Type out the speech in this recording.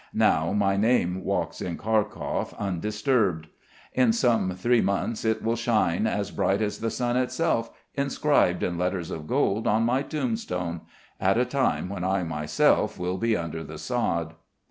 Now my name walks in Kharkov undisturbed. In some three months it will shine as bright as the sun itself, inscribed in letters of gold on my tombstone at a time when I myself will be under the sod....